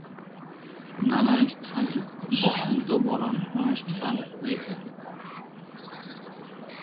নানা স্থানে বসন্ত বরণ অনুষ্ঠান হয়ে থাকে।